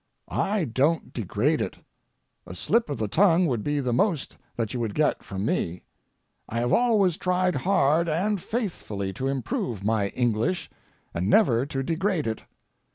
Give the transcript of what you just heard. I don't degrade it. A slip of the tongue would be the most that you would get from me. I have always tried hard and faithfully to improve my English and never to degrade it.